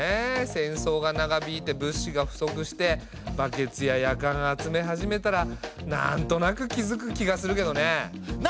戦争が長引いて物資が不足してバケツやヤカン集め始めたらなんとなく気づく気がするけどね。